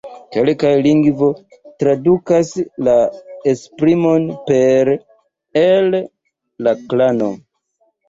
Kelkaj lingvoj tradukas la esprimon per "el la klano".